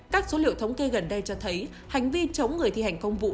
các số liệu thống kê gần đây cho thấy hành vi chống người thi hành công vụ